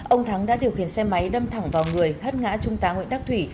ông thắng đã điều khiển xe máy đâm thẳng vào người hất ngã trung tá nguyễn đắc thủy